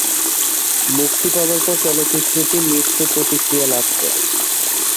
মুক্তি পাবার পর চলচ্চিত্রটি মিশ্র প্রতিক্রিয়া লাভ করে।